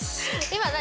今何？